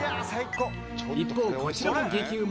一方、こちらも激うま。